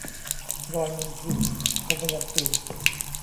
รอยมลทิน - ทมยันตี